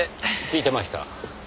聞いてました。